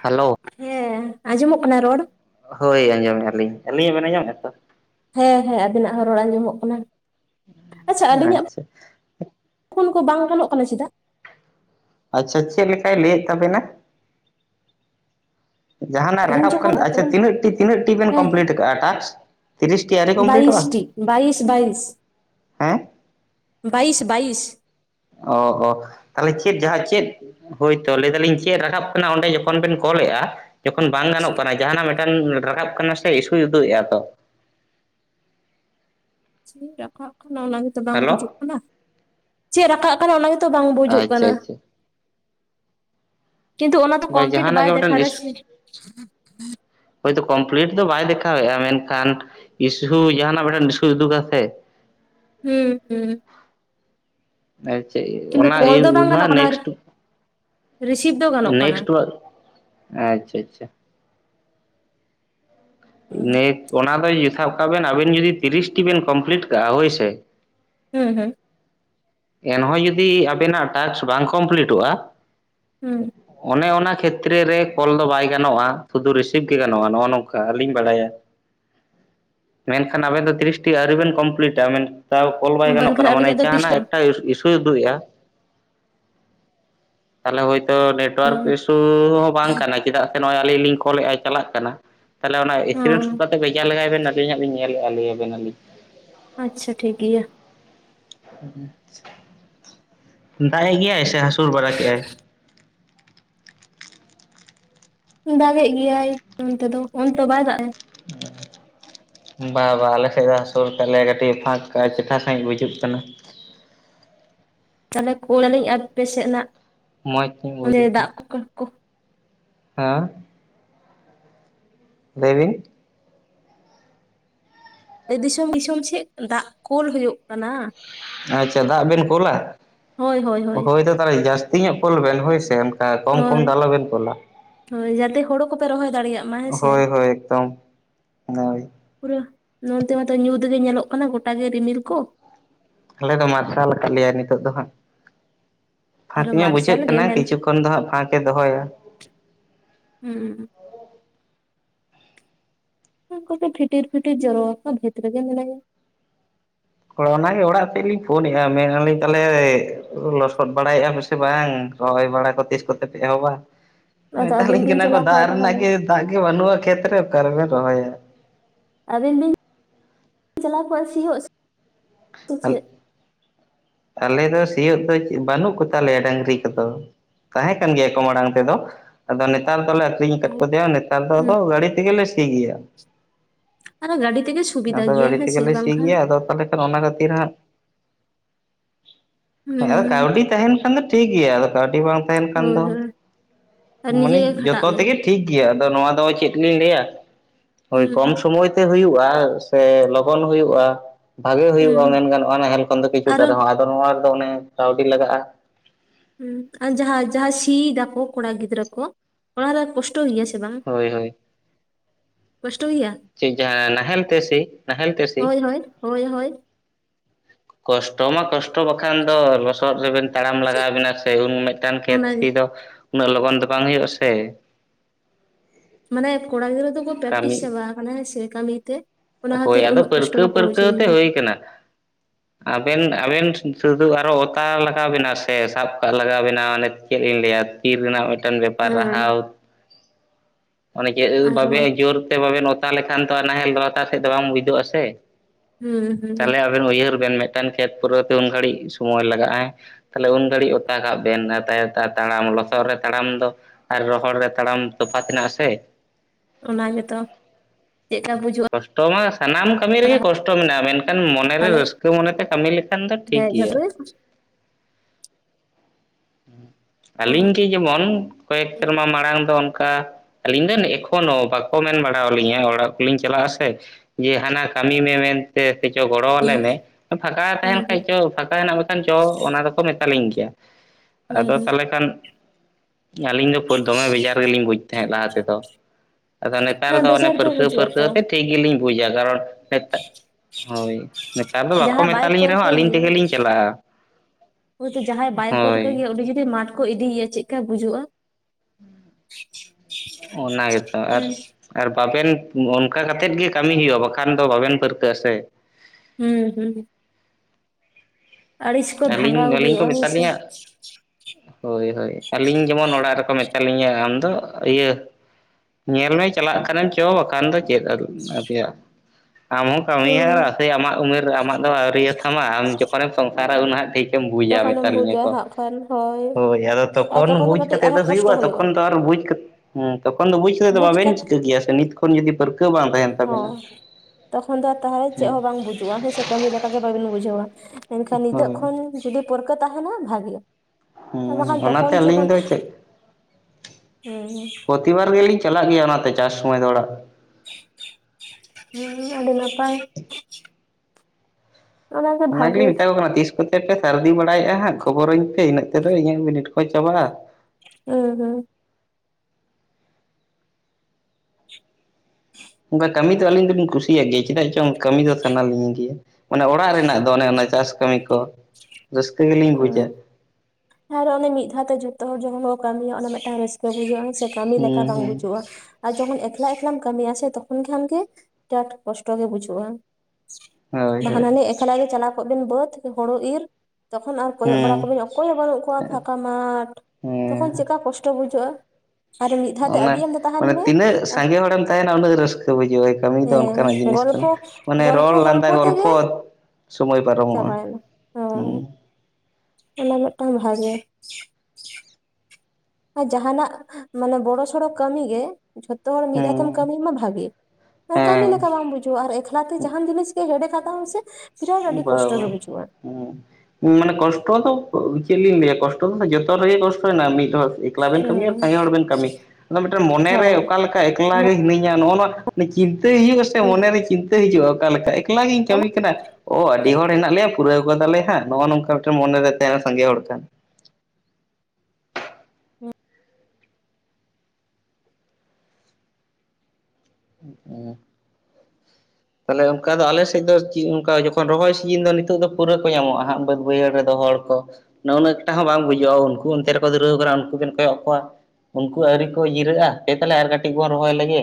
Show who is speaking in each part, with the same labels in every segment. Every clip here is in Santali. Speaker 1: ᱦᱮᱞᱳ
Speaker 2: ᱦᱮᱸ ᱟᱸᱡᱚᱢᱚᱜ ᱠᱟᱱᱟ ᱨᱚᱲ?
Speaker 1: ᱦᱳᱭ ᱟᱸᱡᱚᱢᱮᱫᱼᱟ ᱞᱤᱧ, ᱟᱹᱞᱤᱧ ᱦᱚᱸ ᱵᱮᱱ ᱟᱸᱡᱚᱢᱮᱫᱼᱟ ᱛᱚ?
Speaker 2: ᱦᱮᱸ ᱦᱮᱸ ᱟᱵᱤᱱᱟᱜ ᱦᱚᱸ ᱨᱚᱲ ᱟᱸᱡᱚᱢᱚᱜ ᱠᱟᱱᱟ᱾ ᱟᱪᱪᱷᱟ ᱟᱹᱞᱤᱧᱟᱜ ᱯᱷᱳᱱ ᱠᱚ ᱵᱟᱝ ᱜᱟᱱᱚᱜ ᱠᱟᱱᱟ ᱪᱮᱫᱟᱜ?
Speaker 1: ᱟᱪᱪᱷᱟ ᱪᱮᱫ ᱞᱮᱠᱟᱭ ᱞᱟᱹᱭᱮᱫ ᱛᱟᱵᱮᱱᱟ? ᱡᱟᱦᱟᱸᱱᱟᱜ
Speaker 2: ᱟᱹᱞᱤᱧ
Speaker 1: ᱨᱟᱠᱟᱵ ᱠᱟᱱ
Speaker 2: ᱡᱚᱠᱷᱚᱱ
Speaker 1: ᱟᱪᱪᱷᱟ
Speaker 2: ᱛᱚᱠᱷᱚᱱ
Speaker 1: ᱛᱤᱱᱟᱹᱜ ᱛᱤᱱᱟᱹᱜ ᱴᱤ ᱵᱮᱱ
Speaker 2: ᱦᱮᱸ
Speaker 1: ᱠᱚᱢᱯᱞᱤᱤᱴ ᱟᱠᱟᱜᱼᱟ ᱴᱟᱥᱠ, ᱛᱤᱨᱤᱥᱴᱤ ᱟᱣᱨᱤ
Speaker 2: ᱵᱟᱭᱤᱥᱴᱤ ᱵᱟᱭᱤᱥ ᱵᱟᱭᱤᱥ
Speaker 1: ᱦᱮᱸ
Speaker 2: ᱵᱟᱭᱤᱥ ᱵᱟᱭᱤᱥ
Speaker 1: ᱚ ᱚ ᱛᱟᱦᱚᱞᱮ ᱪᱮᱫ ᱡᱟᱦᱟᱸ ᱪᱮᱫ ᱦᱳᱭᱛᱳ ᱞᱟᱹᱭ ᱫᱟᱞᱤᱧ ᱪᱮᱫ ᱨᱟᱠᱟᱵ ᱠᱟᱱᱟ ᱚᱸᱰᱮ ᱡᱚᱠᱷᱚᱱ ᱵᱮᱱ ᱠᱚᱞᱮᱫᱼᱟ? ᱮᱠᱷᱚᱱ ᱵᱟᱝ ᱜᱟᱱᱚᱜ
Speaker 2: ᱪᱮᱫ
Speaker 1: ᱠᱟᱱᱟ ᱡᱟᱦᱟᱱᱟᱜ ᱢᱤᱫᱴᱟᱝ ᱨᱟᱠᱟᱵ ᱠᱟᱱᱟ ᱥᱮ ᱤᱥᱩᱭ ᱩᱫᱩᱜ ᱮᱜᱼᱟ ᱛᱚ
Speaker 2: ᱪᱮᱫ ᱨᱟᱠᱟᱵ ᱠᱟᱱᱟ ᱚᱱᱟ ᱵᱮᱜᱚᱨ ᱵᱟᱝ
Speaker 1: ᱦᱮᱞᱳ
Speaker 2: ᱵᱩᱪᱚᱜ ᱠᱟᱱᱟ ᱪᱮᱫ ᱨᱟᱠᱟᱵ ᱠᱟᱱᱟ ᱚᱱᱟ ᱛᱚ ᱵᱟᱝ ᱵᱩᱡᱩᱜ
Speaker 1: ᱟᱪᱪᱷᱟ
Speaker 2: ᱠᱟᱱᱟ᱾
Speaker 1: ᱟᱪᱪᱷᱟ
Speaker 2: ᱠᱤᱱᱛᱩ ᱚᱱᱟ ᱫᱚ
Speaker 1: ᱵᱟ
Speaker 2: ᱠᱚᱢᱯᱞᱤᱴ
Speaker 1: ᱡᱟᱦᱟᱱᱟᱜ
Speaker 2: ᱵᱟᱭ
Speaker 1: ᱜᱮ ᱢᱤᱫᱴᱮᱱ
Speaker 2: ᱫᱮᱠᱷᱟᱫᱟ ᱣ
Speaker 1: ᱦᱚᱳᱭᱛᱳ ᱠᱚᱢᱯᱞᱤᱴ ᱫᱚ ᱵᱟᱭ ᱫᱮᱠᱷᱟᱣᱮᱫᱼᱟ, ᱢᱮᱱᱠᱷᱟᱱ ᱤᱥᱩ ᱡᱟᱦᱟᱱᱟᱜ ᱢᱤᱫᱴᱮᱱ ᱤᱥᱩᱭ ᱩᱫᱩ ᱜᱟᱥᱮ
Speaker 2: ᱦᱮᱸ ᱦᱮᱸ
Speaker 1: ᱟᱨ ᱪᱮᱫ
Speaker 2: ᱠᱤᱱᱛᱩ
Speaker 1: ᱚᱱᱟ
Speaker 2: ᱠᱚᱞ
Speaker 1: ᱤᱭᱟᱹ ᱚᱱᱟ ᱱᱮᱠᱥᱴ
Speaker 2: ᱨᱤᱥᱤᱵᱽ ᱫᱚ ᱜᱟᱱᱚᱜ ᱠᱟᱱᱟ
Speaker 1: ᱱᱮᱠᱥᱴ [unintelligible] ᱟᱪᱪᱷᱟ ᱟᱪᱪᱷᱟ ᱚᱱᱟ ᱫᱚ ᱥᱟᱵ ᱠᱟᱜ ᱵᱮᱱ ᱟᱵᱮᱱ ᱡᱩᱫᱤ ᱛᱤᱨᱤᱥᱴᱤ ᱵᱮᱱ ᱠᱚᱢᱯᱞᱤᱴ ᱠᱟᱜᱼᱟ, ᱦᱳᱭᱥᱮ
Speaker 2: ᱦᱮᱸ ᱦᱮᱸ
Speaker 1: ᱮᱱᱦᱚᱸ ᱡᱩᱫᱤ ᱟᱵᱮᱱᱟᱜ ᱴᱟᱥᱠ ᱵᱟᱝ ᱠᱚᱢᱯᱞᱤᱴᱚᱜᱼᱟ᱾
Speaker 2: ᱦᱩᱸ
Speaker 1: ᱚᱱᱮ ᱚᱱᱟ ᱠᱷᱮᱛᱨᱮ ᱨᱮ ᱠᱚᱞ ᱫᱚ ᱵᱟᱭ ᱜᱟᱱᱚᱜᱼᱟ ᱥᱩᱫᱩ ᱨᱤᱥᱤᱵᱷ ᱜᱮ ᱜᱟᱱᱚᱜᱼᱟ ᱱᱚᱜᱼᱚ ᱱᱚᱝᱠᱟ ᱟᱹᱞᱤᱧ ᱵᱟᱲᱟᱭᱟ ᱢᱮᱱᱠᱷᱟᱱ ᱟᱵᱮᱱ ᱫᱚ ᱛᱤᱨᱤᱥᱴᱤ ᱟᱹᱣᱨᱤ ᱵᱮᱱ ᱠᱚᱢᱯᱞᱤᱴᱼᱟ ᱢᱮᱱ ᱛᱟᱣ ᱠᱚᱞ ᱵᱟᱭ ᱜᱟᱱᱚᱜ
Speaker 2: ᱵᱟᱝᱠᱷᱟᱱ
Speaker 1: ᱠᱟᱱᱟ᱾ ᱢᱟᱱᱮ
Speaker 2: ᱟᱹᱞᱤᱧᱟᱜ ᱫᱚ ᱛᱤᱥ
Speaker 1: ᱡᱟᱦᱟᱱᱟᱜ
Speaker 2: ᱦᱮᱸ
Speaker 1: ᱮᱠᱴᱟᱜ ᱤᱥᱩᱭ ᱩᱫᱩᱜᱮᱫᱼᱟ᱾ ᱛᱟᱦᱚᱞᱮ ᱦᱳᱭᱛᱳ ᱱᱮᱴᱚᱣᱟᱨᱠ ᱤᱥᱩ ᱦᱚᱸ ᱵᱟᱝ ᱠᱟᱱᱟ ᱪᱮᱫᱟᱜ ᱥᱮ ᱱᱚᱜᱼᱚᱭ ᱟᱹᱞᱤᱧ ᱞᱤᱝ ᱠᱚᱞᱮᱫᱼᱟᱭ ᱪᱟᱞᱟᱜ ᱠᱟᱱᱟ ᱛᱟᱦᱚᱞᱮ ᱚᱱᱟ ᱮᱥᱠᱨᱤᱱᱥᱚᱴ ᱠᱟᱛᱮ ᱵᱷᱮᱡᱟ ᱞᱮᱜᱟᱭ ᱵᱮᱱ ᱟᱹᱞᱤᱧ ᱦᱟᱸᱜ ᱞᱤᱧ ᱧᱮᱞᱮᱫᱼᱟ ᱞᱟᱹᱭᱟᱵᱮᱱᱟᱞᱤᱧ
Speaker 2: ᱟᱪᱪᱷᱟ ᱴᱷᱤᱠ ᱜᱮᱭᱟ᱾
Speaker 1: ᱟᱪᱪᱷᱟ ᱫᱟᱜ ᱜᱮᱭᱟᱭ ᱥᱮ ᱦᱟᱹᱥᱩᱨ ᱵᱟᱲᱟ ᱠᱮᱫᱟᱭ?
Speaker 2: ᱫᱟᱜ ᱮᱫ ᱜᱮᱭᱟᱭ ᱚᱱᱛᱮᱮᱫᱚ ᱚᱱᱛᱮ ᱵᱟᱭ ᱫᱟᱜ ᱮ
Speaker 1: ᱦᱮ ᱵᱟ ᱵᱟ ᱟᱞᱮᱥᱮᱫ ᱫᱚ ᱦᱟᱹᱥᱩᱨ ᱠᱟᱜ ᱞᱮᱭᱟ ᱠᱟᱹᱴᱤᱡ ᱯᱷᱟᱸᱠᱼᱟ ᱪᱮᱴᱷᱟ ᱥᱟᱺᱦᱤᱡ ᱵᱩᱡᱩᱜ ᱠᱟᱱᱟ
Speaker 2: ᱛᱟᱞᱦᱮ ᱠᱩᱞᱟᱞᱤᱧ ᱟᱯᱮᱥᱮᱫ ᱱᱟᱜ
Speaker 1: ᱢᱚᱡᱽ ᱧᱚᱜ
Speaker 2: ᱚᱸᱰᱮ
Speaker 1: ᱵᱩᱡᱩᱜ
Speaker 2: ᱫᱟᱜ
Speaker 1: ᱠᱟᱱᱟ
Speaker 2: ᱛᱮᱛᱟᱝ ᱠᱚ
Speaker 1: ᱦᱮᱸ ᱞᱟ. ᱭ ᱵᱤᱱ
Speaker 2: ᱫᱤᱥᱚᱢ ᱫᱤᱥᱚᱢ ᱥᱮᱫ ᱫᱟᱜ ᱠᱳᱞ ᱦᱩᱭᱩᱜ ᱠᱟᱱᱟ
Speaker 1: ᱟᱪᱪᱷᱟ ᱫᱟᱜ ᱵᱮᱱ ᱠᱳᱞᱼᱟ
Speaker 2: ᱦᱳᱭ ᱦᱳᱭ ᱦᱳᱭ
Speaker 1: ᱦᱳᱭᱛᱚ ᱛᱟᱦᱚᱞᱮ ᱡᱟᱹᱥᱛᱤ ᱧᱚᱜ ᱠᱳᱞ ᱵᱮᱱ ᱦᱳᱭ ᱥᱮ ᱠᱚᱢ ᱠᱚᱢ
Speaker 2: ᱦᱳᱭ
Speaker 1: ᱫᱚ ᱟᱞᱚ ᱵᱮᱱ ᱠᱳᱞᱟ
Speaker 2: ᱦᱳᱭ ᱡᱟᱛᱮ ᱦᱳᱲᱳ ᱠᱚᱯᱮ ᱨᱚᱦᱚᱭ ᱫᱟᱲᱮᱭᱟᱜ ᱢᱟ ᱦᱮᱸᱥᱮ
Speaker 1: ᱦᱳᱭ ᱦᱳᱭ ᱮᱠᱫᱚᱢ ᱦᱚᱭ
Speaker 2: ᱯᱩᱨᱟᱹ ᱱᱚᱱᱛᱮ ᱢᱟᱛᱚ ᱧᱩᱛ ᱜᱮ ᱧᱮᱞᱚᱜ ᱠᱟᱱᱟ ᱜᱚᱴᱟ ᱜᱮ ᱨᱤᱢᱤᱞ ᱠᱚ
Speaker 1: ᱟᱞᱮ ᱫᱚ ᱢᱟᱨᱥᱟᱞ ᱠᱟᱜ ᱞᱮᱭᱟ ᱱᱤᱛᱚᱜ ᱫᱚ ᱦᱟᱸᱜ ᱯᱷᱟᱸᱠ
Speaker 2: ᱟᱨᱚ
Speaker 1: ᱧᱚᱜ ᱵᱩᱡᱷᱟᱹᱜ
Speaker 2: ᱢᱟᱨᱥᱟᱞ ᱜᱮ
Speaker 1: ᱠᱟᱱᱟ
Speaker 2: ᱢᱮᱱ
Speaker 1: ᱠᱤᱪᱷᱩ ᱠᱷᱚᱱ ᱫᱚ ᱦᱟᱸᱜ ᱯᱷᱟᱸᱠᱮ ᱫᱚᱦᱚᱭᱟ
Speaker 2: ᱦᱩᱸ ᱠᱚ ᱯᱷᱤᱴᱤᱨ ᱯᱷᱤᱴᱤᱨ ᱡᱚᱨᱚ ᱟᱠᱟ ᱵᱷᱮᱛ ᱨᱮᱜᱮ ᱢᱮᱱᱟᱭᱟ
Speaker 1: ᱦᱳᱭ ᱚᱱᱟᱜᱮ ᱚᱲᱟᱜ ᱥᱮᱫ ᱞᱤᱧ ᱯᱷᱳᱱᱮᱫᱼᱟ ᱢᱮᱱ ᱫᱟ ᱞᱤᱧ ᱛᱟᱦᱚᱞᱮ ᱞᱚᱥᱚᱫ ᱵᱟᱲᱟᱭᱮᱫᱼᱟ ᱯᱮ ᱥᱮ ᱵᱟᱝ ᱨᱚᱦᱚᱭ ᱵᱟᱲᱟ ᱠᱚ ᱛᱤᱥ ᱠᱚᱛᱮ ᱯᱮ ᱮᱦᱚᱵᱟ
Speaker 2: ᱟᱫᱚ ᱟᱹᱵᱤᱱ
Speaker 1: ᱢᱮᱛᱟᱞᱤᱧ
Speaker 2: ᱵᱤᱱ
Speaker 1: ᱠᱟᱱᱟ ᱠᱚ
Speaker 2: ᱪᱟᱞᱟᱣ
Speaker 1: ᱫᱟᱜ
Speaker 2: ᱠᱚᱜᱼᱟ
Speaker 1: ᱨᱮᱱᱟᱜ
Speaker 2: ᱛᱟᱦᱚᱞᱮ
Speaker 1: ᱜᱮ ᱫᱟᱜ ᱜᱮ ᱵᱟᱹᱱᱩᱜᱼᱟ ᱠᱷᱮᱛ ᱨᱮ ᱚᱠᱟ ᱨᱮᱵᱤᱱ ᱨᱚᱦᱚᱭᱟ
Speaker 2: ᱟᱵᱤᱱ ᱵᱤᱱ ᱪᱟᱞᱟᱣ ᱠᱚᱜᱼᱟ ᱥᱤᱭᱳᱜ ᱪᱮᱫ
Speaker 1: ᱟᱞᱮ ᱫᱚ ᱥᱤᱭᱳᱜ ᱫᱚ ᱵᱟᱹᱱᱩᱜ ᱠᱚ ᱛᱟᱞᱮᱭᱟ ᱰᱟᱝᱨᱤ ᱠᱚᱫᱚ ᱛᱟᱦᱮᱸ ᱠᱟᱱ ᱜᱮᱭᱟ ᱠᱚ ᱢᱟᱲᱟᱝ ᱛᱮᱫᱚ ᱟᱫᱚ ᱱᱮᱛᱟᱨ ᱫᱚᱞᱮ ᱟᱠᱷᱨᱤᱧ ᱠᱟᱜ ᱠᱚᱛᱮ
Speaker 2: ᱦᱩᱸ
Speaker 1: ᱱᱮᱛᱟᱨ ᱫᱚ ᱟᱫᱚ ᱜᱟᱹᱰᱤ ᱛᱮᱜᱮ ᱞᱮ ᱥᱤ ᱜᱮᱭᱟ
Speaker 2: ᱟᱨᱚ ᱜᱟᱹᱰᱤ ᱛᱮᱜᱮ ᱥᱩᱵᱤᱫᱷᱟ
Speaker 1: ᱟᱫᱚ
Speaker 2: ᱜᱮᱭᱟ
Speaker 1: ᱜᱟᱹᱲᱤ ᱛᱮᱜᱮ
Speaker 2: ᱦᱮᱸᱥᱮ
Speaker 1: ᱞᱮ ᱥᱤ
Speaker 2: ᱵᱟᱝᱠᱷᱟᱱ
Speaker 1: ᱜᱮᱭᱟ ᱟᱫᱚ ᱛᱟᱦᱞᱮ ᱚᱱᱟ ᱠᱷᱟᱹᱛᱤᱨ ᱦᱟᱸᱜ ᱟᱫᱚ
Speaker 2: ᱦᱩᱸ
Speaker 1: ᱠᱟᱹᱣᱰᱤ ᱛᱟᱦᱮᱱ ᱠᱷᱟᱱ ᱫᱚ ᱴᱷᱤᱠ ᱜᱮᱭᱟ ᱟᱫᱚ ᱠᱟᱹᱣᱰᱤ ᱵᱟᱝ ᱛᱟᱦᱮᱱ ᱠᱷᱟᱱ
Speaker 2: ᱦᱳᱭ
Speaker 1: ᱫᱚ
Speaker 2: ᱦᱳᱭ ᱟᱨ ᱱᱤᱡᱮ
Speaker 1: ᱢᱟᱱᱮ
Speaker 2: ᱜᱮ ᱠᱷᱟᱴᱟᱜ
Speaker 1: ᱡᱚᱛᱚ
Speaker 2: ᱢᱮ
Speaker 1: ᱛᱮᱜᱮ ᱴᱷᱤᱠ ᱜᱮᱭᱟ ᱟᱫᱚ ᱱᱚᱣᱟ ᱫᱚ ᱪᱮᱫ ᱞᱤᱧ ᱞᱟᱹᱭᱟ ᱳᱭ
Speaker 2: ᱦᱩᱸ
Speaker 1: ᱠᱚᱢ ᱥᱚᱢᱚᱭ ᱛᱮ ᱦᱩᱭᱩᱜᱼᱟ ᱥᱮ ᱞᱚᱜᱚᱱ ᱦᱩᱭᱩᱜᱼᱟ ᱵᱷᱟᱜᱮ ᱦᱩᱭᱩᱜᱼᱟ
Speaker 2: ᱦᱩᱸ
Speaker 1: ᱢᱮᱱ ᱜᱟᱱᱚᱜ ᱱᱟᱦᱮᱞ ᱠᱷᱚᱱ ᱫᱚ
Speaker 2: ᱟᱨᱚ
Speaker 1: ᱠᱤᱪᱷᱩᱴᱟ ᱨᱮᱦᱚᱸ ᱟᱫᱚ ᱱᱚᱣᱟ ᱨᱮᱫᱚ ᱚᱱᱮ ᱠᱟᱹᱣᱰᱤ ᱞᱟᱜᱟᱜᱼᱟ
Speaker 2: ᱦᱮ ᱟᱨ ᱡᱟᱦᱟᱸ ᱡᱟᱦᱟᱸ ᱥᱤ ᱫᱟᱠᱚ ᱠᱚᱲᱟ ᱜᱤᱫᱽᱨᱟᱹ ᱠᱚ ᱚᱱᱟᱨᱮ ᱠᱚᱥᱴ ᱠᱚᱥᱴᱚ ᱜᱮᱭᱟ ᱥᱮ ᱵᱟᱝ
Speaker 1: ᱦᱳᱭ ᱦᱳᱭ
Speaker 2: ᱠᱚᱥᱴᱚ ᱜᱮᱭᱟ
Speaker 1: ᱪᱮᱫ ᱡᱟᱦᱟᱸ ᱱᱟᱦᱮᱞ ᱛᱮ ᱥᱤ ᱱᱟᱦᱮᱞ ᱛᱮ ᱥᱤ
Speaker 2: ᱦᱳᱭ ᱦᱳᱭ ᱦᱳᱭ ᱦᱳᱭ
Speaker 1: ᱠᱚᱥᱴᱚ ᱢᱟ ᱠᱚᱥᱴᱚ ᱛᱚ ᱵᱟᱠᱷᱟᱱ ᱫᱚ ᱞᱚᱥᱚᱫ ᱨᱮᱵᱮᱱ ᱛᱟᱲᱟᱢ ᱞᱟᱜᱟᱣ ᱟᱵᱮᱱᱟ ᱥᱮ ᱩᱱ ᱢᱤᱫᱴᱟᱝ ᱠᱷᱮᱛ
Speaker 2: ᱚᱱᱟ
Speaker 1: ᱥᱤ ᱫᱚ ᱩᱱᱟᱹᱜ ᱞᱚᱜᱚᱱ ᱫᱚ ᱵᱟᱝ ᱦᱩᱭᱩᱜᱼᱟ ᱥᱮ
Speaker 2: ᱢᱟᱱᱮ ᱠᱚᱲᱟ ᱜᱤᱫᱽᱟᱹ ᱫᱚᱠᱚ ᱯᱮᱠᱴᱤᱥ
Speaker 1: ᱠᱟᱹᱢᱤ
Speaker 2: ᱪᱟᱵᱟ ᱠᱟᱱᱟ ᱥᱮ ᱠᱟᱹᱢᱤ ᱛᱮ ᱚᱱᱟ
Speaker 1: ᱦᱳᱭ
Speaker 2: ᱠᱷᱟᱹᱛᱤᱨ
Speaker 1: ᱟᱫᱚ
Speaker 2: ᱩᱱᱟᱹᱜ ᱠᱚᱥᱴᱚ
Speaker 1: ᱯᱟᱹᱨᱠᱟᱹᱣ
Speaker 2: ᱵᱟᱠᱚ ᱵᱩᱡᱷᱟᱹᱣ
Speaker 1: ᱯᱟᱹᱨᱠᱟᱹᱣ ᱛᱮ
Speaker 2: ᱜᱮᱭᱟ
Speaker 1: ᱦᱩᱭ ᱠᱟᱱᱟ ᱟᱵᱮᱱ ᱟᱵᱮᱱ ᱥᱩᱫᱩ ᱟᱨᱚ ᱚᱛᱟ ᱞᱟᱜᱟᱣ ᱟᱵᱮᱱᱟ ᱥᱮ ᱥᱟᱵ ᱠᱟᱜ ᱞᱟᱜᱟᱣ ᱟᱵᱮᱱᱟ ᱢᱟᱱᱮ ᱪᱮᱫ ᱞᱤᱧ ᱞᱟᱹᱭᱟ ᱛᱤᱨ ᱨᱮᱱᱟᱜ ᱢᱤᱫᱴᱟᱝ ᱵᱮᱯᱟᱨ
Speaker 2: ᱦᱮᱸ
Speaker 1: ᱨᱟᱦᱟᱣ ᱚᱱᱮ ᱪᱮᱫ ᱵᱟᱵᱮᱱ
Speaker 2: ᱟᱨᱦᱚᱸ
Speaker 1: ᱡᱳᱨᱛᱮ ᱵᱟᱵᱮᱱ ᱚᱛᱟ ᱞᱮᱠᱷᱟᱱ ᱛᱚ ᱱᱟᱦᱮᱞ ᱫᱚ ᱞᱟᱛᱟᱨ ᱥᱮᱫ ᱫᱚ ᱵᱟᱝ ᱵᱤᱫᱚᱚᱜᱼᱟ ᱥᱮ
Speaker 2: ᱦᱩᱸ ᱦᱩᱸ
Speaker 1: ᱛᱟᱦᱚᱞᱮ ᱩᱭᱦᱟᱹᱨ ᱵᱮᱱ ᱢᱤᱫᱴᱟᱝ ᱠᱷᱮᱛ ᱯᱩᱨᱟᱹᱣ ᱛᱮ ᱩᱱ ᱜᱷᱟᱹᱲᱤᱡ ᱥᱚᱢᱚᱭ ᱞᱟᱜᱟᱜᱼᱟ ᱦᱮᱸ ᱛᱟᱦᱚᱞᱮ ᱩᱱ ᱜᱷᱟᱹᱲᱤᱡ ᱚᱛᱟ ᱠᱟᱜ ᱵᱮᱱ ᱛᱟᱭᱚᱢ ᱛᱟᱲᱟᱢ ᱞᱚᱥᱚᱫ ᱨᱮ ᱛᱟᱲᱟᱢ ᱫᱚ ᱟᱨ ᱨᱚᱦᱚᱲ ᱨᱮ ᱛᱟᱲᱟᱢ ᱛᱚᱯᱷᱟᱛ ᱦᱮᱱᱟᱜ ᱟᱥᱮ
Speaker 2: ᱚᱱᱟ ᱜᱮᱛᱚ ᱪᱮᱫ ᱠᱟ ᱵᱩᱡᱷᱩᱜᱼᱟ
Speaker 1: ᱴᱚ ᱢᱟ ᱥᱟᱱᱟᱢ ᱠᱟᱹᱢᱤ ᱨᱮᱜᱮ ᱠᱚᱥᱴᱚ ᱢᱮᱱᱟᱜᱼᱟ ᱢᱮᱱᱠᱷᱟᱱ ᱢᱚᱱᱮᱨᱮ
Speaker 2: ᱛᱟᱦᱚᱞᱮ
Speaker 1: ᱨᱟᱹᱥᱠᱟᱹ ᱢᱚᱱᱮᱛᱮ ᱠᱟᱹᱢᱤ ᱞᱮᱠᱷᱟᱱ ᱫᱚ ᱴᱷᱤᱠ
Speaker 2: ᱦᱮᱸ
Speaker 1: ᱜᱮᱭᱟ
Speaker 2: ᱡᱷᱚᱛᱚ ᱦᱩᱸ
Speaker 1: ᱟᱹᱞᱤᱧ ᱜᱮ ᱡᱮᱢᱚᱱ ᱠᱚᱭᱮᱠ ᱥᱮᱨᱢᱟ ᱢᱟᱲᱟᱝ ᱫᱚ ᱚᱱᱠᱟ ᱟᱹᱞᱤᱧ ᱫᱚ ᱮᱠᱷᱚᱱᱳ ᱵᱟᱠᱚ ᱢᱮᱱ ᱵᱟᱲᱞᱤᱧᱟ ᱚᱲᱟᱜ ᱠᱚᱞᱤᱧ ᱪᱟᱞᱟᱜᱼᱟ ᱥᱮ ᱡᱮ ᱦᱟᱱᱟ ᱠᱟᱹᱢᱤ ᱢᱮ ᱢᱮᱱᱛᱮ ᱥᱮᱪᱚ ᱜᱚᱲᱚᱣᱟᱞᱮ
Speaker 2: ᱦᱩᱸ
Speaker 1: ᱢᱮ ᱯᱷᱟᱸᱠᱟ ᱛᱟᱦᱮᱱ ᱠᱷᱟᱡ
Speaker 2: ᱦᱩᱸ
Speaker 1: ᱪᱚ ᱯᱷᱟᱸᱠᱟ ᱦᱮᱱᱟᱜ ᱠᱷᱟᱱ ᱫᱚ ᱚᱱᱟ ᱫᱚᱠᱚ ᱢᱮᱛᱟᱞᱤᱧ ᱜᱮᱭᱟ
Speaker 2: ᱦᱩᱸ
Speaker 1: ᱟᱫᱚ
Speaker 2: ᱦᱩᱸ
Speaker 1: ᱛᱟᱦᱚᱞᱮ ᱠᱷᱟᱱ ᱟᱹᱞᱤᱧ ᱫᱚ ᱫᱚᱢᱮ ᱵᱷᱮᱡᱟᱨ ᱜᱮᱞᱤᱧ ᱵᱩᱡ ᱛᱟᱦᱮᱸᱫ ᱞᱟᱦᱟ ᱛᱮᱫᱚ ᱟᱫᱚ ᱱᱮᱛᱟᱨ
Speaker 2: ᱦᱮᱸ
Speaker 1: ᱫᱚ ᱚᱱᱮ
Speaker 2: ᱵᱮᱡᱟᱨ
Speaker 1: ᱯᱟᱹᱨᱠᱟᱹᱣ
Speaker 2: ᱵᱩᱡᱩᱜᱼᱟ
Speaker 1: ᱯᱟᱹᱨᱠᱟᱹᱣ
Speaker 2: ᱛᱚ
Speaker 1: ᱛᱮ ᱴᱷᱤᱠ ᱜᱮᱞᱤᱧ ᱵᱩᱡᱟ ᱠᱟᱨᱚᱱ ᱱᱮᱛᱟᱨ ᱦᱳᱭ ᱱᱮᱛᱟᱨ ᱫᱚ ᱵᱟᱠᱚ
Speaker 2: ᱡᱟᱦᱟᱸᱭ ᱵᱟᱭ
Speaker 1: ᱢᱮᱛᱟᱞᱤᱧ ᱨᱮᱦᱚᱸ ᱟᱹᱞᱤᱧ ᱛᱮᱜᱮ ᱞᱤᱧ ᱪᱟᱞᱟᱜᱼᱟ
Speaker 2: ᱦᱳᱭᱛᱚ ᱡᱟᱦᱟᱸᱭ ᱵᱟᱭ
Speaker 1: ᱦᱳᱭ
Speaker 2: ᱯᱟᱹᱨᱠᱟᱹᱭᱟ ᱩᱱᱤ ᱡᱩᱫᱤ ᱢᱟᱴᱷ ᱠᱚ ᱤᱫᱤᱭᱮᱭᱟ ᱪᱮᱫᱠᱟ ᱵᱩᱡᱩᱜᱼᱟ
Speaker 1: ᱚᱱᱟ ᱜᱮ ᱛᱚ ᱟᱨ
Speaker 2: ᱦᱮᱸ
Speaker 1: ᱟᱨ ᱵᱟᱵᱮᱱ ᱚᱱᱠᱟᱛᱮᱫ ᱜᱮ ᱠᱟᱹᱢᱤ ᱦᱩᱭᱩᱜᱼᱟ ᱵᱟᱠᱷᱟᱱ ᱫᱚ ᱵᱟᱵᱮᱱ ᱯᱟᱹᱨᱠᱟᱹᱜᱼᱟ ᱥᱮ
Speaker 2: ᱦᱩᱸ ᱦᱩᱸ ᱟᱹᱲᱤᱥ ᱠᱚ
Speaker 1: ᱟᱹᱞᱤᱧ
Speaker 2: ᱵᱷᱟᱸᱜᱟᱣ
Speaker 1: ᱟᱹᱞᱤᱧ ᱠᱚ
Speaker 2: ᱦᱩᱭᱩᱜᱼᱟ ᱦᱮᱸ
Speaker 1: ᱢᱮᱛᱟ
Speaker 2: ᱥᱮ
Speaker 1: ᱞᱤᱧᱟᱹ ᱦᱳᱭ ᱦᱳᱭ ᱟᱹᱞᱤᱧ ᱡᱮᱢᱚᱱ ᱚᱲᱟᱜ ᱨᱮᱠᱚ ᱢᱮᱛᱟᱞᱤᱧᱟᱹ ᱟᱢ ᱫᱚ ᱤᱭᱟᱹ ᱧᱮᱞ ᱢᱮ ᱪᱟᱞᱟᱜ ᱠᱷᱟᱱᱮᱢ ᱪᱚ ᱵᱟᱠᱷᱟᱱ ᱫᱚ ᱪᱮᱫ ᱟᱨᱚᱢ ᱟ. ᱜᱩᱭᱟ ᱟᱢᱦᱚ
Speaker 2: ᱦᱩᱸ
Speaker 1: ᱠᱟᱹᱢᱤᱭᱟ ᱥᱮ ᱟᱢᱟᱜ ᱩᱢᱮᱨ ᱟᱢᱟᱜ ᱫᱚ ᱟᱹᱣᱨᱤᱭᱟᱹ ᱛᱟᱢᱟ ᱟᱢ ᱡᱚᱠᱷᱚᱱᱮᱢ ᱥᱚᱝᱥᱟᱨᱟ ᱩᱱ ᱦᱟᱸᱜ ᱴᱷᱤᱠ ᱮᱢ ᱵᱩᱡᱟ
Speaker 2: ᱛᱚᱠᱷᱚᱱᱮᱢ
Speaker 1: ᱢᱮᱛᱟᱞᱤᱧᱟᱹ
Speaker 2: ᱵᱩᱡᱟ
Speaker 1: ᱠᱚ
Speaker 2: ᱦᱟᱸᱜ ᱠᱷᱟᱱ
Speaker 1: ᱦᱳᱭ ᱟᱫᱚ
Speaker 2: ᱟᱨ
Speaker 1: ᱛᱚᱠᱷᱚᱱ ᱵᱩᱡᱽ
Speaker 2: ᱠᱟᱹᱴᱤᱡ
Speaker 1: ᱠᱟᱛᱮ ᱫᱚ
Speaker 2: ᱟᱨᱦᱚᱸ ᱠᱚᱥᱴᱚ
Speaker 1: ᱦᱩᱭᱩᱜᱼᱟ ᱛᱚᱠᱷᱚᱱ ᱫᱚ ᱟᱨ ᱵᱩᱡᱽ ᱠᱟᱛᱮ ᱦᱮᱸ ᱛᱚᱠᱷᱚᱱ ᱫᱚ ᱵᱩᱡ ᱠᱮᱫᱛᱮᱫ ᱫᱚ
Speaker 2: ᱵᱩᱡᱽ
Speaker 1: ᱵᱟᱵᱮᱱ
Speaker 2: ᱠᱟᱛᱮ
Speaker 1: ᱪᱤᱠᱟᱹ ᱠᱮᱭᱟ ᱥᱮ ᱱᱤᱛ ᱠᱷᱚᱱ ᱡᱩᱫᱤ ᱯᱟᱨᱠᱟᱹ
Speaker 2: ᱦᱚᱸ ᱛᱚᱠᱷᱚᱱ ᱫᱚ ᱛᱟᱦᱚᱞᱮ ᱪᱮᱫ
Speaker 1: ᱦᱮᱸ
Speaker 2: ᱦᱚᱸ ᱵᱟᱝ ᱵᱩᱡᱩᱜᱼᱟ ᱦᱮᱸᱥᱮ ᱠᱟᱹᱢᱤ ᱞᱮᱠᱟᱜᱮ ᱵᱟᱵᱤᱱ ᱵᱩᱡᱷᱟᱹᱣᱟ ᱢᱮᱱᱠᱷᱟᱱ ᱱᱤᱛᱚᱜ
Speaker 1: ᱦᱳᱭ
Speaker 2: ᱠᱷᱚᱱ ᱡᱩᱫᱤ ᱯᱟᱹᱨᱠᱟᱹ ᱛᱟᱦᱮᱱᱟ ᱵᱷᱟᱜᱮ ᱟ
Speaker 1: ᱦᱮᱸ
Speaker 2: ᱟᱫᱚ ᱦᱟᱸᱜ
Speaker 1: ᱦᱮᱸ ᱚᱱᱟᱛᱮ
Speaker 2: ᱡᱚᱠᱷᱟᱱ
Speaker 1: ᱟᱹᱞᱤᱧ
Speaker 2: ᱡᱮᱢᱚᱱ
Speaker 1: ᱫᱚ ᱪᱮᱫ
Speaker 2: ᱦᱩᱸ
Speaker 1: ᱯᱨᱚᱛᱤᱵᱟᱨ ᱜᱮᱞᱤᱧ ᱪᱟᱞᱟᱜ ᱜᱮᱭᱟ ᱚᱱᱟᱛᱮ ᱪᱟᱥ ᱥᱚᱢᱚᱭ ᱫᱚ ᱚᱲᱟᱜ
Speaker 2: ᱱᱤᱭᱟᱜᱮ ᱟᱹᱰᱤ ᱱᱟᱯᱟᱭ ᱚᱱᱟᱜᱮ
Speaker 1: ᱚᱱᱟ ᱜᱮ
Speaker 2: ᱵᱷᱟᱜᱮ
Speaker 1: ᱞᱤᱧ ᱢᱮᱛᱟ ᱠᱚ ᱠᱟᱱᱟ ᱛᱤᱥ ᱠᱚᱛᱮ ᱯᱮ ᱥᱟᱹᱨᱫᱤ ᱵᱟᱲᱟᱭᱮᱫᱼᱟ ᱦᱟᱸᱜ ᱠᱷᱚᱵᱚᱨᱟᱹᱧ ᱯᱮ ᱤᱱᱟᱹᱜ ᱛᱮᱫᱚ ᱤᱧᱟᱹᱜ ᱵᱤᱱᱤᱰ ᱠᱚ ᱪᱟᱵᱟᱜᱼᱟ
Speaker 2: ᱦᱩᱸ ᱦᱩᱸ [inaudible]
Speaker 1: ᱚᱱᱠᱟ ᱠᱟᱹᱢᱤ ᱫᱚ ᱟᱹᱞᱤᱧ ᱫᱚᱞᱤᱧ ᱠᱩᱥᱤᱭᱟᱜ ᱜᱮᱭᱟ ᱪᱮᱫᱟᱜ ᱪᱚᱝ ᱠᱟᱹᱢᱤ ᱫᱚ ᱥᱟᱱᱟ ᱞᱤᱧᱟ ᱜᱮᱭᱟ ᱚᱱᱮ ᱚᱲᱟᱜ ᱨᱮᱱᱟᱜ ᱫᱚ ᱚᱱᱮ ᱚᱱᱟ ᱪᱟᱥ ᱠᱟᱹᱢᱤ ᱠᱚ ᱨᱟᱹᱥᱠᱟᱹ ᱜᱮᱞᱤᱧ ᱵᱩᱡᱟ
Speaker 2: ᱦᱩᱸ ᱟᱨ ᱚᱱᱮ ᱢᱤᱫ ᱫᱷᱟᱣ ᱛᱮ ᱡᱷᱚᱛᱚ ᱦᱚᱲ ᱡᱚᱠᱷᱚᱱ ᱠᱚ ᱠᱟᱹᱢᱤᱭᱟ ᱚᱱᱟ ᱢᱤᱫ ᱴᱟᱝ ᱨᱟᱹᱥᱠᱟᱹ ᱵᱩᱡᱷᱟᱹᱜᱼᱟ ᱥᱮ ᱠᱟᱹᱢᱤ ᱞᱮᱠᱟ
Speaker 1: ᱦᱩᱸ
Speaker 2: ᱵᱟᱝ
Speaker 1: ᱦᱩᱸ
Speaker 2: ᱵᱩᱡᱷᱩᱜᱼᱟ ᱟᱨ ᱡᱚᱠᱷᱚᱱ ᱮᱠᱞᱟ ᱮᱠᱞᱟᱢ ᱠᱟᱹᱢᱤᱭᱟ ᱥᱮ ᱛᱚᱠᱷᱚᱱ ᱜᱮ ᱵᱤᱨᱟᱴ ᱠᱚᱥᱴᱚ ᱜᱮ ᱵᱩᱡᱷᱩᱜᱼᱟ
Speaker 1: ᱦᱳᱭ ᱦᱳᱭ
Speaker 2: ᱵᱟᱠᱷᱟᱱ ᱚᱱᱮ ᱮᱠᱞ ᱜᱮ ᱪᱟᱞᱟᱣ ᱠᱚᱜ ᱵᱤᱱ ᱵᱟᱹᱫᱽ ᱦᱳᱲᱩ ᱤᱨ ᱛᱚᱠᱷᱚᱱ ᱟᱨ ᱠᱚᱭᱚᱜ ᱵᱟᱲᱟ
Speaker 1: ᱦᱩᱸ
Speaker 2: ᱠᱚᱵᱟᱹᱧ ᱚᱠᱚᱭ ᱦᱚᱸ ᱵᱟᱹᱱᱩᱜ ᱠᱚᱣᱟ ᱯᱷᱟᱸᱠᱟ ᱢᱟᱴ,
Speaker 1: ᱦᱮᱸ
Speaker 2: ᱛᱚᱠᱷᱚᱱ ᱪᱮᱫᱠᱟ ᱠᱚᱥᱴᱚ ᱵᱩᱡᱷᱟᱹᱜᱼᱟ? ᱟᱨ ᱢᱤᱫ ᱫᱷᱟᱣ ᱛᱮ
Speaker 1: ᱚᱱᱟ
Speaker 2: ᱟᱹᱰᱤ ᱟᱢᱫᱟ ᱛᱟᱦᱮᱱ ᱢᱟᱱᱮ,
Speaker 1: ᱛᱤᱱᱟᱹᱜ ᱥᱟᱸᱜᱮ ᱦᱚᱲᱮᱢ ᱛᱟᱦᱮᱱᱟ ᱩᱱᱟᱹᱜ ᱨᱟᱹᱥᱠᱟᱹ ᱵᱩᱡᱷᱟᱹᱜᱼᱟ ᱠᱟᱹᱢᱤ ᱫᱚ
Speaker 2: ᱦᱮᱸ
Speaker 1: ᱚᱱᱠᱟᱱᱟᱜ ᱡᱤᱱᱤᱥ ᱠᱟᱱᱟ
Speaker 2: ᱜᱚᱞᱯᱚ
Speaker 1: ᱢᱟᱱᱮ
Speaker 2: ᱜᱚᱞᱯᱚ
Speaker 1: ᱨᱚᱲ ᱞᱟᱸᱫᱟ
Speaker 2: ᱜᱚᱞᱯᱚ ᱛᱮᱜᱮ
Speaker 1: ᱜᱚᱞᱯᱷᱚ ᱥᱚᱢᱚᱭ ᱯᱟᱨᱚᱢᱚᱜᱼᱟ
Speaker 2: ᱪᱟᱵᱟᱭᱮᱱᱟ
Speaker 1: ᱦᱩᱸ
Speaker 2: ᱚᱱᱟ ᱢᱤᱫᱴᱟᱝ ᱵᱷᱟᱜᱮ ᱟ ᱡᱟᱦᱟᱱᱟᱜ ᱢᱟᱱᱮ ᱵᱚᱲᱚ ᱥᱚᱲᱚ ᱠᱟᱹᱢᱤᱜᱮ ᱡᱷᱚᱛᱚ ᱦᱚᱲ ᱢᱤᱫ ᱫᱷᱟᱣ ᱛᱮᱢ
Speaker 1: ᱦᱩᱸ
Speaker 2: ᱠᱟᱹᱢᱤ ᱢᱟ ᱵᱷᱟᱜᱤ ᱟᱨ
Speaker 1: ᱦᱮᱸ
Speaker 2: ᱠᱟᱹᱢᱤ ᱞᱮᱠᱟ ᱵᱟᱢ ᱵᱩᱡᱷᱟᱹᱼᱟ ᱟᱨ ᱮᱠᱞᱟᱛᱮ ᱡᱟᱦᱟᱱ ᱡᱤᱱᱤᱥ ᱜᱮᱰᱮ ᱠᱷᱟᱛᱟ ᱦᱚᱸ ᱥᱮ ᱡᱟᱭ ᱟᱹᱰᱤᱰᱤ ᱠᱚᱥᱴᱚ ᱜᱮ ᱵᱩᱡᱷᱟᱜ-ᱟ
Speaker 1: ᱦ ᱢᱟᱱᱮ ᱠᱚᱥᱴᱚ ᱫᱚ ᱪᱮᱫ ᱞᱤᱧ ᱞᱟᱹᱭᱟ ᱠᱚᱥᱴᱚ ᱫᱚ ᱡᱚᱛᱚ ᱨᱮᱜᱮ ᱠᱚᱥᱴᱚ ᱦᱮᱱᱟᱜ-ᱟ ᱢᱤᱫᱷᱣ ᱮᱠᱞᱟ ᱵᱮᱱ ᱠᱟᱹᱢᱤᱭᱟ ᱛᱟᱭᱚᱢ ᱨᱮᱵᱮᱱ ᱠᱟᱹᱢᱤ, ᱟᱫᱚ ᱢᱤᱫᱴᱮᱱ ᱢᱚᱱᱮᱨᱮ
Speaker 2: ᱦᱳᱭ
Speaker 1: ᱚᱠᱟ ᱞᱮᱠᱟ ᱮᱠᱞᱟ ᱜᱮ ᱦᱤᱱᱟᱹᱧᱟ, ᱱᱚᱜᱼᱚ ᱱᱚᱣᱟ ᱪᱤᱱᱛᱟᱹ ᱦᱤᱡᱩᱜᱼᱟ ᱥᱮ ᱢᱚᱱᱮᱨᱮ ᱪᱤᱱᱛᱟᱹ ᱦᱤᱡᱩᱜᱼᱟ ᱚᱠᱟ ᱞᱮᱠᱟ ᱮᱠᱞᱟ ᱜᱤᱧ
Speaker 2: ᱚᱱᱟ
Speaker 1: ᱠᱟᱹᱢᱤ ᱠᱟᱱᱟ ᱚ ᱟᱹᱰᱤ ᱦᱚᱲ ᱦᱮᱱᱟᱜ ᱞᱮᱭᱟ ᱯᱩᱨᱟᱹᱣ ᱠᱟᱫᱟᱞᱮ ᱦᱟᱸᱜ ᱱᱚᱜᱼᱱᱚᱝᱠᱟ ᱢᱚᱱᱮ ᱛᱟᱦᱮᱱᱟ ᱥᱟᱸᱜᱮ ᱦᱚᱲ ᱴᱷᱮᱱ᱾ ᱚ ᱛᱟᱦᱞᱮ ᱚᱱᱠᱟ ᱫᱚ ᱟᱞᱮ ᱥᱮᱫ ᱫᱚ ᱚᱱᱠᱟ ᱡᱚᱠᱷᱚᱱ ᱨᱚᱦᱚᱭ ᱥᱤᱡᱤᱱ ᱫᱚ ᱱᱤᱛᱚᱜ ᱫᱚ ᱯᱩᱨᱟᱹ ᱠᱚ ᱧᱟᱢᱚᱜᱼᱟ ᱦᱟᱸᱜᱟᱹ ᱰᱟᱫᱽ ᱵᱟᱹᱭᱦᱟᱹᱲ ᱨᱮᱫᱚ ᱦᱚᱲ ᱠᱚ ᱩᱱᱟᱹᱜ ᱮᱴᱟ ᱦᱚᱸ ᱵᱟᱝ ᱵᱩᱡᱩᱜᱼᱟ ᱩᱱᱠᱩ ᱚᱱᱛᱮ ᱨᱮᱠᱚ ᱫᱷᱩᱨᱟᱹᱣ ᱠᱟᱱᱟ ᱩᱱᱠᱩ ᱵᱱ ᱠᱚᱭᱚᱜ ᱠᱚᱣᱟ ᱩᱱᱠᱩ ᱟᱹᱣᱨᱤ ᱠᱚ ᱤᱨᱟᱹᱜᱼᱟ, ᱦᱟᱯᱮ ᱛᱟᱦᱚᱞᱮ ᱮᱠᱞᱟ ᱟᱨ ᱠᱟᱹᱴᱤᱡ ᱵᱚᱱ ᱨᱚᱦᱚᱭ ᱞᱮᱜᱮ᱾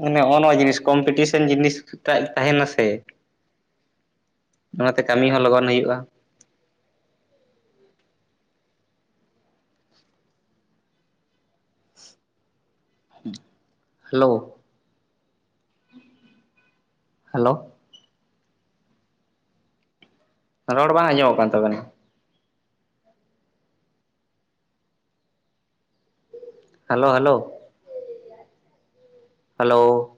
Speaker 1: ᱢᱟᱱᱮ ᱱᱚᱜᱼᱚ ᱱᱚᱣᱟ ᱡᱤᱱᱤᱥ ᱠᱚᱢᱯᱤᱴᱤᱥᱚᱱ ᱡᱤᱱᱤᱥ ᱛᱟ ᱛᱟᱸᱦᱮᱱᱟ ᱥᱮ ᱱᱚᱣᱟᱛᱮ ᱠᱟᱹᱢᱤ ᱦᱚᱸ ᱞᱚᱜᱚᱱ ᱦᱩᱭᱩᱜᱼᱟ [inaudible] ᱦᱮᱞᱳ ᱦᱟᱞᱳ ᱨᱚᱲ ᱵᱟᱝ ᱟᱸᱡᱚᱢᱚᱜ ᱠᱟᱱ ᱛᱟᱵᱮᱱᱟ ᱦᱮᱞᱳ ᱦᱮᱞᱳ᱾ ᱦᱟᱞᱳ